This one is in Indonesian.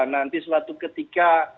nanti suatu ketika